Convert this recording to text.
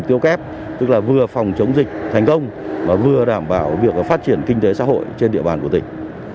tiêu kép tức là vừa phòng chống dịch thành công mà vừa đảm bảo việc phát triển kinh tế xã hội trên địa bàn của tỉnh